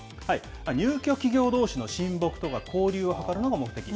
入居企業どうしの親睦とか交流を図るのが目的。